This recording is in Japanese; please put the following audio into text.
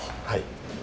はい。